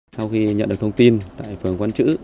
sau khi nhận được thông tin tại phường quán chữ